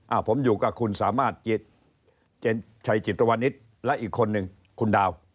ผมอยู่กับคุณสามารถเจนชัยจิตรวนิตและอีกคนนึงคุณดาว